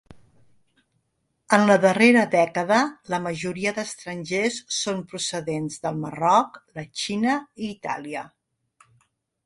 En la darrera dècada la majoria d'estrangers són procedents del Marroc, la Xina i Itàlia.